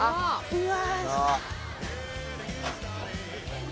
うわ！